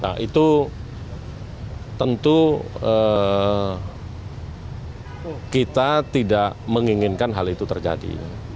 nah itu tentu kita tidak menginginkan hal itu terjadi